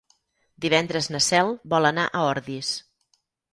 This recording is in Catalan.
Divendres na Cel vol anar a Ordis.